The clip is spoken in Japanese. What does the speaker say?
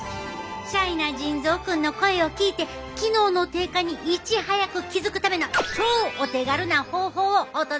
シャイな腎臓君の声を聞いて機能の低下にいち早く気付くための超お手軽な方法をお届けするで。